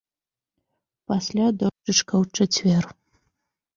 Пасля дожджычка ў чацвер.